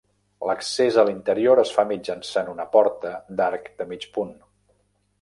L'accés a l'interior es fa mitjançant una porta d'arc de mig punt.